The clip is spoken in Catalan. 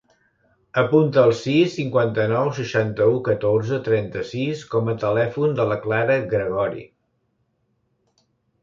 Apunta el sis, cinquanta-nou, seixanta-u, catorze, trenta-sis com a telèfon de la Clara Gregori.